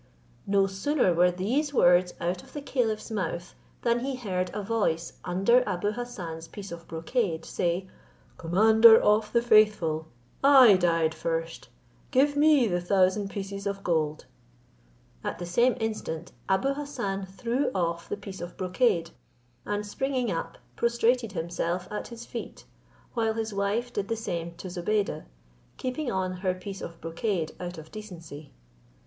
No sooner were these words out of the caliph's mouth, than he heard a voice under Abou Hassan's piece of brocade say, "Commander of the faithful, I died first, give me the thousand pieces of gold." At the same instant Abou Hassan threw off the piece of brocade, and springing up, prostrated himself at his feet, while his wife did the same to Zobeide, keeping on her piece of brocade out of decency.